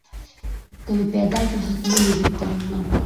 که مې پېدا کړې حتمن يې درته راوړم.